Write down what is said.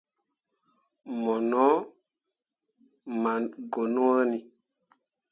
Mo no maa ganoni.